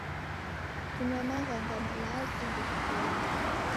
Kunywa maghanga malazi ndokupoie